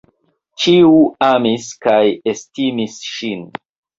Ĉiu amis kaj estimis ŝin.